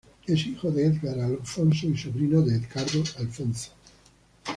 Es hijo de Edgar alfonzo y sobrino de Edgardo Alfonzo.